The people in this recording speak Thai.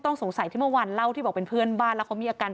ต้องสงสัยที่เมื่อวานเล่าที่บอกเป็นเพื่อนบ้านแล้วเขามีอาการ